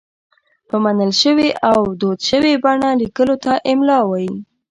په منل شوې او دود شوې بڼه لیکلو ته املاء وايي.